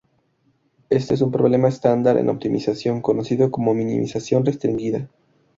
Este es un problema estándar en optimización, conocido como minimización restringida.